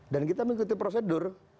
dan kita mengikuti prosedur